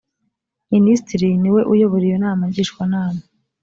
minisitiri niwe uyobora iyo nama ngishwanama